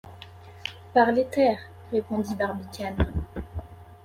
Par l’éther, répondit Barbicane.